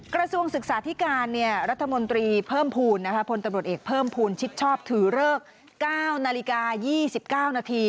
กระทรวงศึกษาธิการรัฐมนตรีเพิ่มภูมิพลตำรวจเอกเพิ่มภูมิชิดชอบถือเลิก๙นาฬิกา๒๙นาที